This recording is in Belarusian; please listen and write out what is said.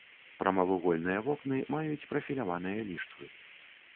Прамавугольныя вокны маюць прафіляваныя ліштвы.